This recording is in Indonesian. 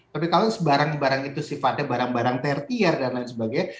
tapi kalau barang barang itu sifatnya barang barang tertier dan lain sebagainya